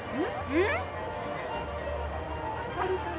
うん？